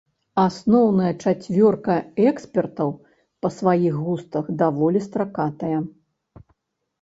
Асноўная чацвёрка экспертаў па сваіх густах даволі стракатая.